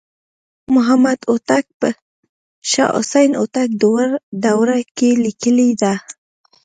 محمدهوتک په شاه حسین هوتک دوره کې لیکلې ده.